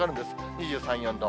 ２３、４度。